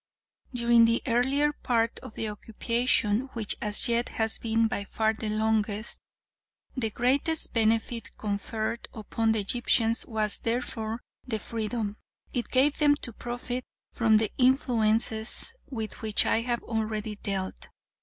During the earlier part of the occupation which as yet has been by far the longest, the greatest benefit conferred upon the Egyptians was therefore the freedom it gave them to profit from the influences with which I have already dealt.